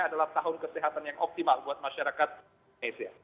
adalah tahun kesehatan yang optimal buat masyarakat indonesia